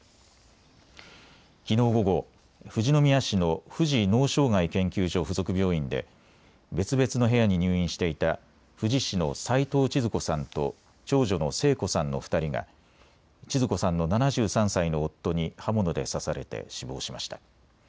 きのう午後、富士宮市の富士脳障害研究所附属病院で別々の部屋に入院していた富士市の齊藤ちづ子さんと長女の聖子さんの２人がちづ子さんの７３歳の夫に刃物で刺されて死亡しました。